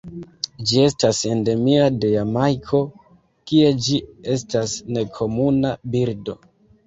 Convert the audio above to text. Ĝi estas endemia de Jamajko, kie ĝi estas nekomuna birdo.